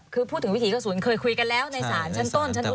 คือพูดถึงวิถีกระสุนเคยคุยกันแล้วในศาลชั้นต้นชั้นนี้